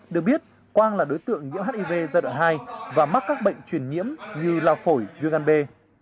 được biết quang là đối tượng nhiễm hiv giai đoạn hai và mắc các bệnh truyền nhiễm như lao phổi viêm gan b